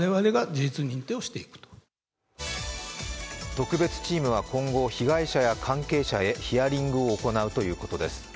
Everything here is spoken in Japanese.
特別チームは今後被害者や関係者へヒアリングを行うということです。